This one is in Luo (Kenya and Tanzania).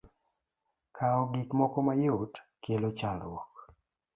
Kawo gik moko mayot, kelo chandruok.